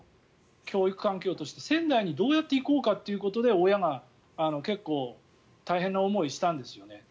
教育環境として仙台にどうやって行こうかっていうことで親が結構、大変な思いをしたんですよね。